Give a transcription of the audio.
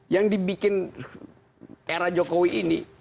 yang dibikin era jokowi ini